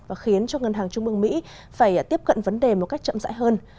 và khiến cho ngân hàng trung mương mỹ phải tiếp cận vấn đề một cách chậm dãi hơn